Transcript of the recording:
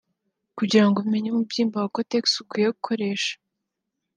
Kugira ngo umenye umubyimba wa cotex ukwiye gukoresha